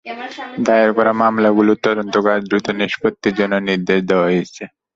দায়ের করা মামলাগুলোর তদন্ত কাজ দ্রুত নিষ্পত্তির জন্য নির্দেশ দেওয়া হয়েছে।